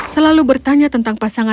selalu bertanya tentang perjalanan mereka